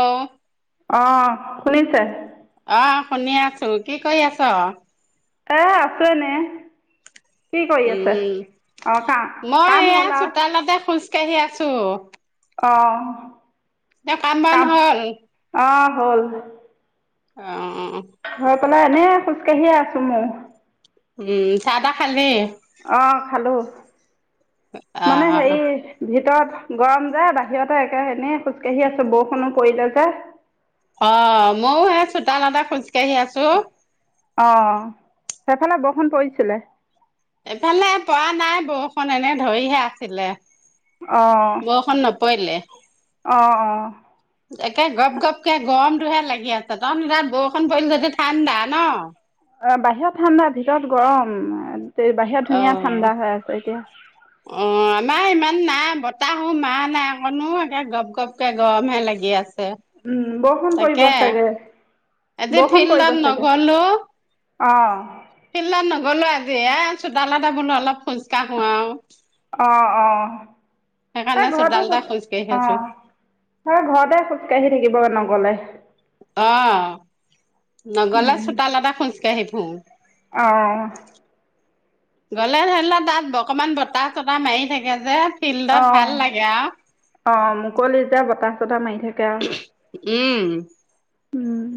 আহ অ শুনিছে আহ শুনি আছো কি কৰি আছ এ আছো এনেই কি কৰি আছে উম অঁ কা মই কাম এয়া হ'ল আৰু চোতালতে খোজ কাৰি আছো অঁ এ কাম বন হল অঁ হল অঁ উম [unintelligible] অকললে এনে খোজকাঢ়িয়ে আছো মই উম চাহ তাহ খালি অ খালো অ মানে হেৰি ভিতৰত গৰম যে বাহিৰতে একে এনেই খোজকাঢ়ি আছো বৰষুণো পৰিলে যে অ ময়ো সেই চোতালতে খোজকাঢ়ি আছো অ সেইফালে বৰষুণ পৰিছিলে এইফালে পৰা নাই বৰষুণ এনে ধৰিহে আছিলে আহ পইলে অ অ একে গপ গপকে গৰমটোহে লাগি আছে ত তাত বৰষুণ পৰিল যদি ঠাণ্ডা ন অ বাহিৰত ঠাণ্ডা ভিতৰত গৰম বাহিৰত ধুনীয়া অ ঠাণ্ডা হৈ আছে এতিয়া অ আমাৰ ইমান নাই বতাহো মাৰা নাই অকনো একে গপ গপকে গৰম হে লাগি আছে। উম বৰষুণ পৰিব তাকে চাগে আজি ফিল্ডত নগলো অঁ ফিল্ডত নগলো আজি এ চোতালতে বোলো অলপ খোজকাঢ়ো আৰু অ অ তই সেইকাৰণে ঘৰত চোতালতে খোজ কাঢ়ি আছো অ ঘৰতে খোজ কাঢ়ি থাকিব নগলে অ নগলে চোতালতে খোজকাঢ়ি ফুৰোঁ আহ গ'লে ধৰি লওক তাত অকমান বতাহ চতাহ মাৰি থাকে যে অ ফিল্ডত ভাল লাগে আৰু অ মোকলি যে বতাহ বতাহ মাৰি থাকে আৰু উম উম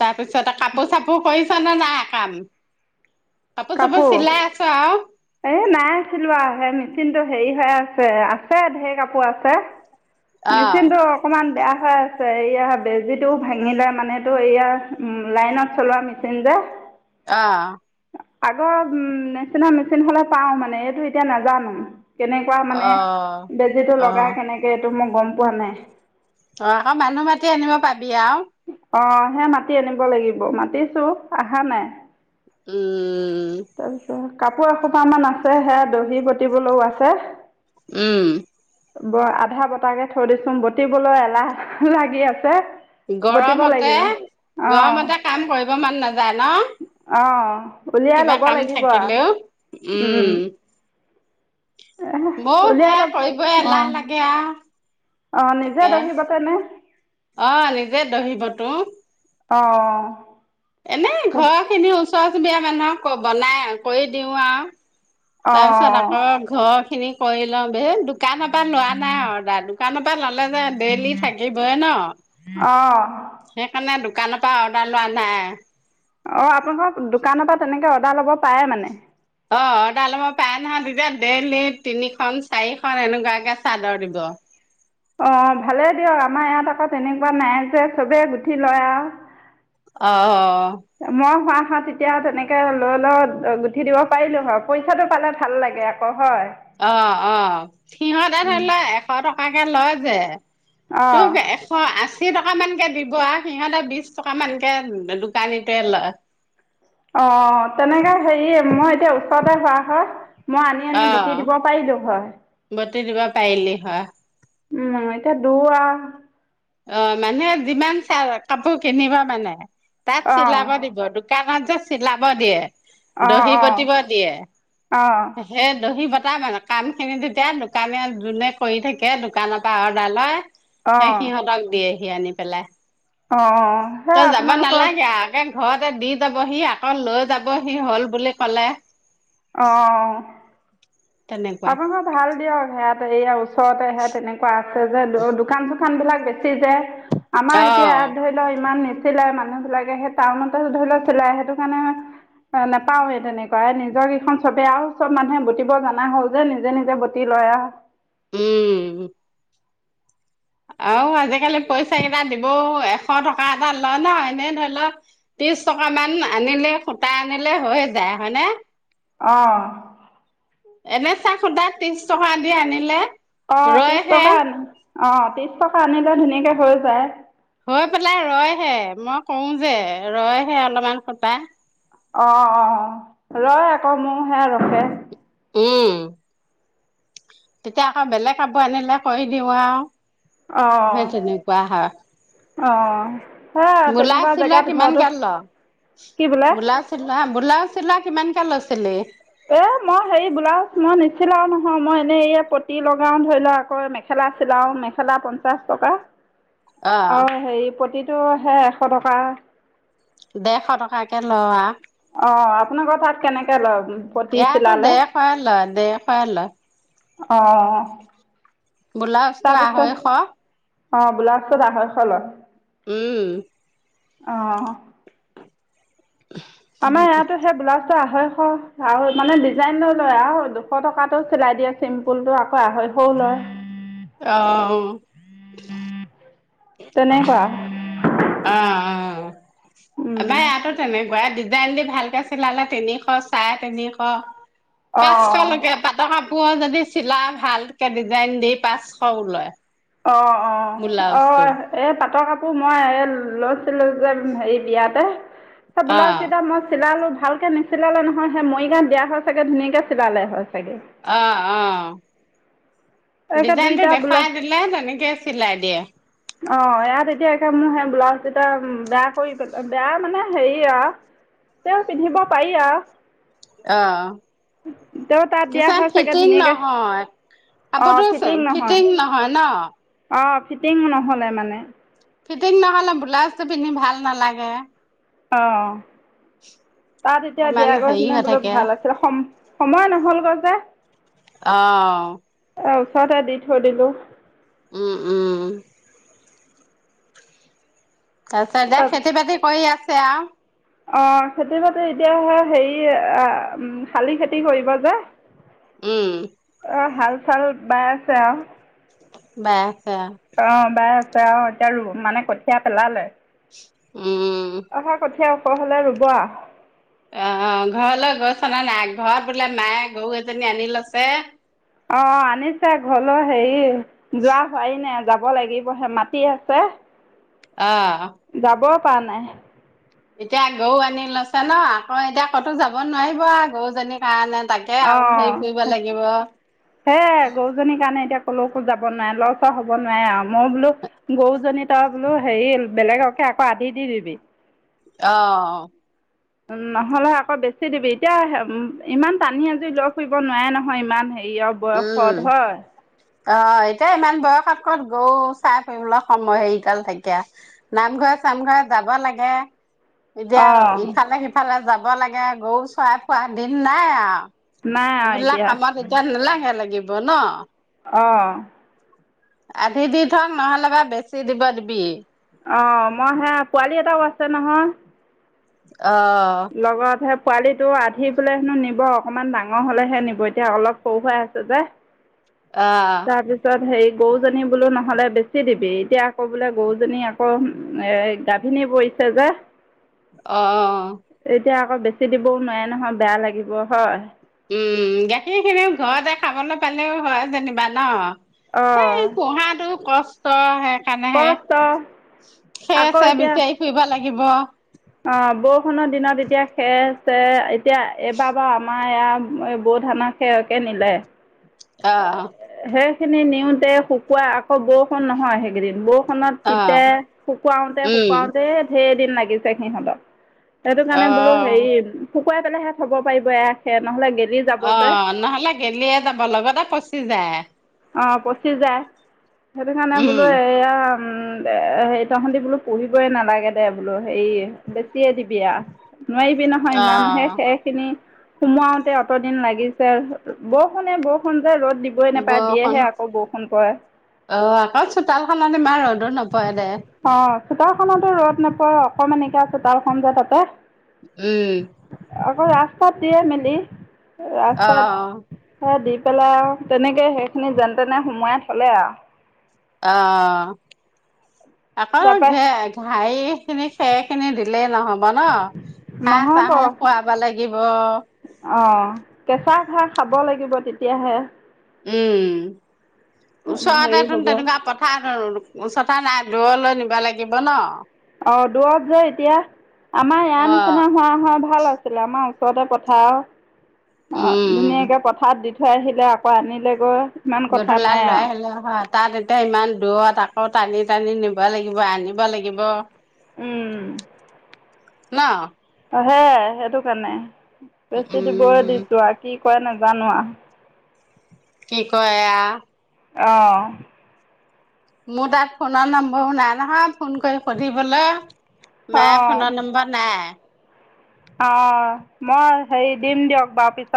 তাৰ পিছতে কাপোৰ চাপোৰ কৰিছ কৰিছানে নাই কাম চাপোৰ কাপোৰ চিলাই আছো এ নাইছিলোৱা মিচিনটো হেৰি হৈ আছে আছে ধেৰ কাপোৰ আছে আৰু মেচিন টো অকমান বেয়া বেয়া হৈ আছে এয়া বেজিটো ভাঙিলে মানেতো এয়া উম লাইনত চলোৱা মেচিন যে আহ আগৰ উম নিচিনা মেচিন হলে পাও মানে এইটো এতিয়া নাজানো কেনেকুৱা মানে অ', বেজিটো অ', লগাই কেনেকে এইটো মোৰ গম পোৱা নাই অ আকৌ মানুহ মাতি আনিব পাবি আও অ সে মাতি আনিব লাগিব মাতিছো অহা নাই উম তাৰপিছত কাপোৰ এসোপাৰ মান আছে সেয়া দহি বতিবলৈও আছে উম ব আধা বতাকে থৈ দিছো বাটিবলৈ এলাহ লাগি আছে বটিব গৰমতে লাগিব অঁ গৰমতে কাম কৰি মন নাযায় ন অঁ উলিয়াই কিবা ল'ব কাম লাগিব থাকিলেও আৰু উম বৰ উলিয়াই সেয়া ল'ব কৰিবই এলাহ অঁ লাগে অঁ আৰু নিজে তাকে দহি বাতেনে অ নিজে দহিবাতো অ এনে ঘৰ খিনিৰ ওচৰ চুবুৰীয়া মানুহক বনাই কৰি দিওঁ আৰু তাৰ পিছত অঁ আকৌ ঘৰ খিনি কৰিলও দোকানৰ পৰা লোৱা নাই অৰদাৰ দোকানৰ পৰা ল'লে যে ডেইলি থাকিবইে ন অঁ সেইকাৰণে দোকানৰ পৰা অৰ্ডাৰ লোৱা নাই অঁ আপোনালোকৰ দোকানৰ পৰা তেনেকৈ অৰ্ডাৰ ল'ব পাৰে মানে অ অৰ্দে ল'ব পাৰে নহয় তেতিয়া ডেইলি তিনিখন চাৰিখন এনেকুৱাকে চাদৰ দিব অ ভালে দিয়ক আমাৰ ইয়াত আকৌ তেনেকুৱা নাই যে চবে গুঠি লয় আৰু অ মই হোৱা তেতিয়া তেনেকে লৈ ল গুঠি দিব পাৰিলো হয় পইচাটো পালে ভাল লাগে আকৌ হয় অ অ সিহঁতে ধৰি ল এশ টকা লয় যে তোৰ অঁ এশ আশী আশী টকা মানকে দিব আৰু সিহঁতে বিশ টকা মানকে দোকানীটোৱে লয় অ তেনেকে হেৰিয়ে মই তে ওচতে চোৱা হয় মই আনি আনি বটি আহ দিব পাৰিলোঁ হয় বটি দিবা পাৰিলি হ উম এতিয়া দুুৱ আও অ মানে যিমান চাই কাপোৰ কিনিবা মানে তাক অঁ চিলাব দিব দুকাণত চিলাব দিয়ে অঁ দহি অঁ বতিব দিয়ে অঁ সেই দহি বতি তাৰ মানে কাম খিনি তেতিয়া দোকানে যোনে কৰি থাকে দোকানৰ পৰা অৰ্ডাৰ লয় অ সেই সিহঁতক দিয়ে সি আনি পেলাই অ অ সে আপোনালোকৰ সিহঁতে দি যাবহি আকৌ লৈ যাব সি হল বুলি কলে অহ তেনেকুৱা আছো দিয়া ভাল বেয়া মাজত সয়া এই অৱস্থা ওচৰতেহে তেনেকুৱা আছে যে দোকান যো খান বিলাক বেছি যে আমাৰ অ এতিয়া ত ধৰিল ইমান নি চিলাই মানুহ বিলাকে সেই টাউনতে ধৰি লও চিলাই সেইটো কাৰণে অ নোপাওৱে তেনেকুৱা নিজৰেইখন চবে আও চব মানুহে বুটিব জনা হ'ল যে নিজে নিজে বতি লয় আও উম আও আজিকালি পইচা কেইটা দিবও এশ টকা এটা লয় ন এনেই ধৈল ত্ৰিশ টকাামান আনিলে সুতা আনিলে হৈ যায় হয়নে অহ এনেচা সূতা ত্ৰিশ টকা দি আনিলে অ ত্ৰিশ ৰয়হে টকা আনি অ ত্ৰিশ টকা আনিলে ধুনীয়াকে হৈ যায় হৈ পেলাই ৰয়হে মই কওঁ যে ৰয়হে অলপমান সূতা অ অ ৰয় আকৌ মোৰ সেয়া ৰখে উম তেতিয়া আকৌ বেলেগ কাপোৰ আনিলে কৈ দিওঁ আও অঁ হে তেনেকুৱা হয় অঁ সেয়া তেনেকুৱা বোলাউজ চিলোৱা জেগাত কিমান ঘৰটো কে ল কি বোলে বোলাউজ চিলা বোলাউজ চিলোৱা কিমান কেলৈছিলি এ মই হেৰি ব্লাউজ মই নিচিলাও নহয় মই এনেই এই পতি লগাও ধৰি ল আকৌ মেখেলা চিলাও মেখেলা পঞ্চাশ টকা অ হেৰি পতিত টো সে এশ টকা দেৰশ টকাকে ল আ অহ আপোনাকৰ তাত কেনেকে লয় পতি ইয়াতো ছিলালে ডেৰশই লয় ডেৰশই লয় অ ব্লাউজটো আঢ়ৈশ অ বুলাউজটোত আঢ়ৈশ লয় উম অহ আমাৰ তেনেকুৱা ইয়াতো সেই বোলাউচ আঢ়ৈশ আৰু মানে ডিজাইন লৈ লয় আও দুশ টকাতো চিলাই দিয়ে চিম্পুল টো আকৌ আঢ়ৈশও লয় অহ [inaudible] তেনেকুৱা অ অ এবাৰ ইয়াতো তেনেকুৱাই দিজাইন দি ভালকে চিলালে তিনিশ চাহ তিনিশ পাঁচশ অঁ লকে পাতকাপুৰ কাপোৰ যদি চিলাই ভালকে ডিজাইন দি পাঁচশও লয় অঁ অঁ অ এই পাটৰ কাপু তোৰ মই লৈছিলো যে হেৰি বিয়াতে অ ব্লাউজ কেইটা মই চিলালো ভালকে নিচিলালে নহয় সেই মৰি গাঁৱত দিয়া হয় চাগে ধুনীয়াকে চিলালে হয় চাগে অহ অ একে ডিজাইনটো দুইটা দেখুৱাই দিলে তেনেকে চিলাই দিয়ে অ ই এতিয়াে মোৰ সেই ব্লাউজ দুটা বেয়া কৰি বেয়া মানে হেৰি আৰু তে পিন্ধিব পাৰি আৰু অ তেও তাত দিয়া কিছুমান হয় চাগে ফিটিং ধুনীয়াকৈ নহয় অঁ কাপোৰটো নহয় ফিটিং নহয় ন অঁ ফিটিং ন হ'লে মানে ফিটিং নহ'লে ব্লাউজটো পিন্ধি ভাল নালাগে অ তাত এতিয়া অকমান দিয়া গৈ হেৰি নে হৈ বোলো থাকে ভাল আছিল সম সময় নহলগৈ যে অ ওচৰতে দি থৈ দিলোঁ উম উম তাতে দে খেতি বাতি কৰি আছ এয়া অ খেতি বাতি এতিয়া হেৰি শালি খেতি কৰিব যে উম হাল চাল বাই আছে আৰু বা অ বাই এ অ এতিয়া মানে কঠিয়া পেলালে আৰু উম আহা কঠীয়া ওখ হ'লে ৰুব‌ আ আহ ঘৰলৈ গৈছ অনা নাই ঘৰত বোলে মায়ে গৰু এজনী আনি লৈছে অঁ আনিছে ঘ'লো হেৰি যোৱা হয় নাই যাব লাগিবহে মাটি আছে অ পোৱা নাই এতিয়া গৰু আনি লৈছে ন আকৌ এতিয়া ক'তো যাব নোৱাৰিব গৰুজনীৰ কাৰণে তাকে অ আউল ধৰি ফুৰিব হে লাগিব। গৰুজনীৰ কাৰণে এতিয়া কলোকো যাব নোৱাৰে লৰচৰ হ'ব নোৱাৰে আৰু মই বোলো গৰুজনী তই বোলো হেৰি বেলেগকে আকৌ আধি দি দিবি আহ নহলে আকৌ বেছি দিবি এতিয়া ইমান টানি আজি লগ ফুব নোৱাৰে নহয় ইমান হেৰি ইয়াৰ উম, বয়সত হয় অ এতিয়া ইমান বয়সত কত গৌ চাই ফুবলৈ সময় হেৰি কাল থাকেয়া নামঘৰে চামঘৰে যাব লাগে এতিয়া অঁ ইফালে সিফালে যাব ব লাগে গৰু চৰাই পোৱা দিন নাই আও নাই আৰু এবিলাক এতিয়া কামত এতিয়া নেলেগ লাগিব ন অঁ আধি দি থক নহলে বা বেছি দিব দিবি অঁ মই সে পোৱালি এটাও আছে নহয় অ পোৱালীটো আধি পেললে হেনো নিব অকণমান ডাঙৰ হলেহে নিব এতিয়া অলপ সৰু হৈ আছে যে অ', তাৰিছত হে গৰুজনী বোলো নহলে বেছি দিবি এতিয়া আকৌ বোলে গৰুজনী আকৌ এ গাভিনী পৰিছে যে অ এতিয়া আকৌ বেছি দিবও নোৱাৰে নহয় বেয়া লাগিব হয় উম গাখীৰ খিনিও ঘৰতে খাবলৈ পালেও হয় যেনিবা ন অঁ সেই পুহাতটো কষ্ট তই হে হেনেহে কষ্ট সেই আছে বিচ আহি ফুৰিব লাগে আহিব অ বৰষুণৰ দিনত এতিয়া খেৰ চেৰ এতিয়া এইবাবা আমাৰ বৌ ধানা সেয়কে নিলে আহ খিনি নিওঁতে শুকাই আকৌ বৰষুণ নহয় সেইকেইদিন বৰষুনত তিতে অ', শুকুৱাওতে উম, শুকুৱাওতে ধেৰ দিন লাগছে তে সিহঁতৰ সেইটো কাৰণে বোলো হেৰি অ'। শুকুৱাই পেলাইহে থব পাৰিব এশে নহ'লে গেলি যাব অ যে নহ'লে গেলিয়ে যাব লগতে পচি যায় অ পঁচি যাই সেইটো কাৰণে উম, বোলো এয়া উম সেই তহতে বোলো পঢ়িবই নালাগে দে বোলো হেই দিবি আ নোৱাৰিবি নহয় ইমান সে অ'। সেই খিনি সোমুৱাওতে অতদিন লাগিছে বৰষুণে বৰষুণ যে ৰ'দ দিব বৰষুণ আহ আকৌ চোতাল খন মা ৰ'দ নপয় দে অ' চোতালখনতো ৰ'দ নোপোৱা অকণমানিকে চোতালখন যে তাতে উম আকৌ ৰাস্তাত দিয়ে মেলি অ', ৰাস্তাতহে দ্বীপ পেলাই আও তেনেকে সেইখিনি যেন-তেনে সোমোৱাই থ'লে আও। অঁ অঁ আকৌ তাৰপৰা ঘে-ঘাইখিনি খেৰ খিনি দি নহ'ব ন? চাহ-টাহো খুৱাব লাগ অ' কেঁচা হাঁহ খাব লাগিব তেতিয়াহে। উম। হেৰি ওচৰতেতোন হ'ব তেনেকুৱা পথাৰ ওচৰতে নাই? দূৰলৈ নিবা লাগিব ন? অ' দূৰত যোৱা এতিয়া। আমাৰ ইয়াৰ অ নিচিনা হোৱা হয় ভা ভাল আছিলে আমাৰ ওচৰতে পঠা আও অ' উম ধুনীয়াকে পথাৰত দি থ থৈ আহিলে আকৌ আনিলেগৈ ইমান কথা জধলাল নাই লৈ আৰু আহিলে তাত এতিয়া ইমান দূৰত আকৌ টানি টানি নিব লাগিব আনিব লাগিব। উম। ন? অ', সেয়াই, সেইটো কাৰণে। বেছি দিবই উম দিছো আও কি কৰে নাজানো আও। কি কয় এয়া? অঁ মোৰ তাত ফোনৰ নম্বৰো নাই নহয় ফোন কৰি সুধিবলে! মাই ফোনৰ নম্বৰ নাই। অ' মই হেৰি দিম দিয়ক বাৰু পিছ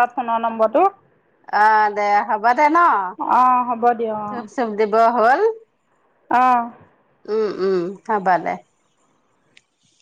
অ' দে হ'ব দে ন? অঁ হ'ব চুপ-চুপ দিব। হ'ল। অহ উম-উম হ'ব দে।